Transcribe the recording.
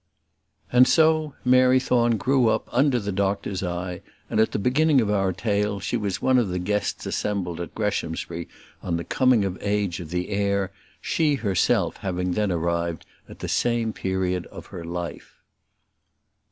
And so Mary Thorne grew up under the doctor's eye, and at the beginning of our tale she was one of the guests assembled at Greshamsbury on the coming of age of the heir, she herself having then arrived at the same period of her life.